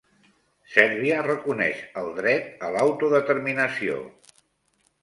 Sèrbia reconeix el dret a l'autodeterminació